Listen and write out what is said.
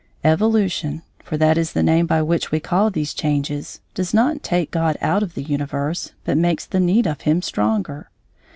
Evolution for that is the name by which we call these changes does not take God out of the universe but makes the need of Him stronger.